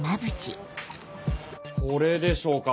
これでしょうか？